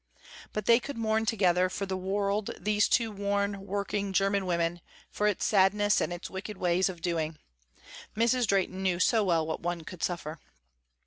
But they could mourn together for the world these two worn, working german women, for its sadness and its wicked ways of doing. Mrs. Drehten knew so well what one could suffer.